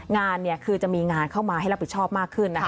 งานคือจะมีงานเข้ามาให้รับผิดชอบมากขึ้นนะคะ